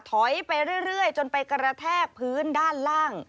ถอยไปเรื่อยจนไปกระแทกพื้นด้านล่าง